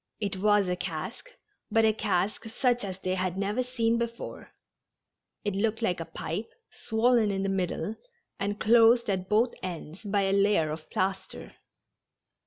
It was a cask, but a cask such as they had never seen before, It looked like a pipe, swollen in the middle, and closed at both ends by a layer of plaster.